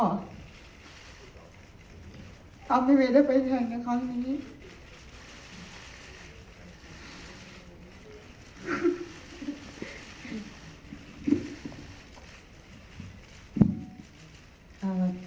ทำให้เวย์ได้ไปแทงกันครั้งนี้